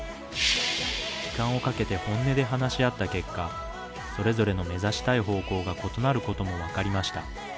時間をかけて本音で話し合った結果、それぞれの目指したい方向が異なることも分かりました。